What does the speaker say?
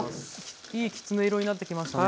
いいきつね色になってきましたね。